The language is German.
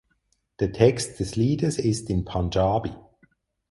Der Text des Liedes ist in Panjabi.